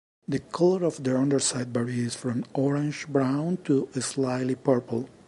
The color of the underside varies from orange brown to slightly purple.